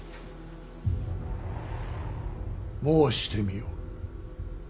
申してみよ。